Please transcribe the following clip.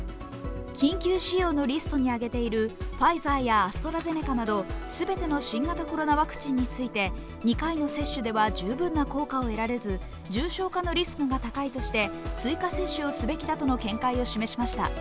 緊急使用のリストに挙げているファイザーやアストラゼネカなど全ての新型コロナワクチンについて２回の接種では十分な効果を得られず重症化のリスクが高いとして、追加接種をすべきだとの見解を示しました。